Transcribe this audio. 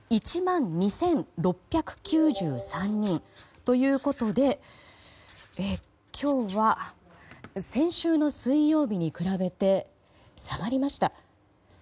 １万２６９３人ということで今日は、先週の水曜日に比べて下がりました。